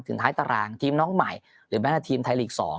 ท้ายตารางทีมน้องใหม่หรือแม้แต่ทีมไทยลีก๒